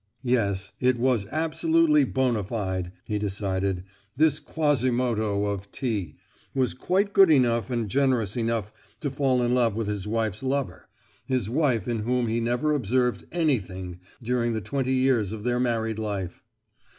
"Yes, it was absolutely bonâ fide!" he decided. "This quasimodo of T—— was quite good enough and generous enough to fall in love with his wife's lover—his wife in whom he never observed 'anything' during the twenty years of their married life.